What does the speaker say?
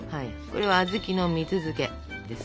これは小豆の蜜漬けです。